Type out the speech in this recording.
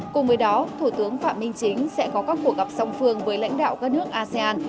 cùng với đó thủ tướng phạm minh chính sẽ có các cuộc gặp song phương với lãnh đạo các nước asean